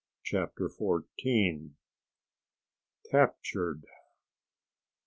CHAPTER FOURTEEN _Captured!